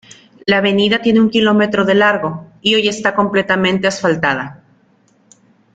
La avenida tiene un kilómetro de largo y hoy está completamente asfaltada.